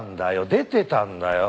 出てたんだよ。